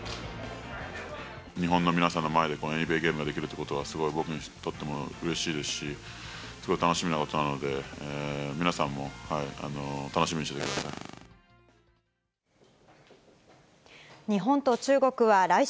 日本の皆さんの前でこのＮＢＡゲームができるということが、すごい僕にとってもうれしいですし、すごい楽しみなことなので、皆さんも楽しみにしていてください。